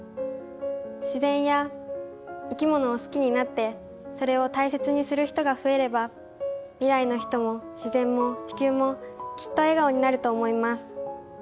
自然や生き物を好きになってそれを大切にする人が増えれば未来の人も自然も地球もきっと笑顔になると思います。